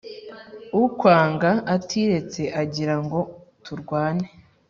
ukwanga atiretse agira ngo turwane